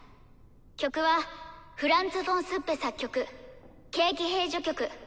曲はフランツ・フォン・スッペ作曲「軽騎兵」序曲。